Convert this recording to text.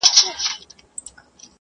د ده له قبره تر اسمان پوري ډېوې ځلیږي !.